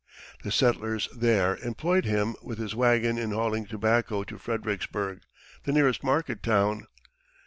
The settlers there employed him with his wagon in hauling tobacco to Fredericksburg, the nearest market town.